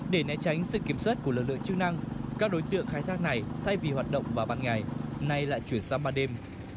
để né tránh sự kiểm soát của lực lượng chức năng các đối tượng khai thác này thay vì hoạt động vào ban ngày nay lại chuyển sang ban đêm